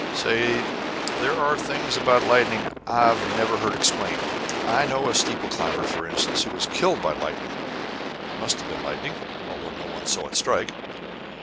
Say, there are things about lightning I've never heard explained. I know of a steeple climber, for instance, who was killed by lightning it must have been lightning, although no one saw it strike.